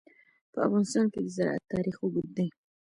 په افغانستان کې د زراعت تاریخ اوږد دی.